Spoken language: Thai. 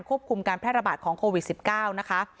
คุมการแพร่ระบาดของโควิด๑๙นะคะ